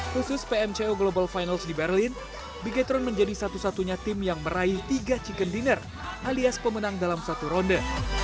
khusus pmco global finals di berlin bigetron menjadi satu satunya tim yang meraih tiga chicken dinner alias pemenang dalam satu ronde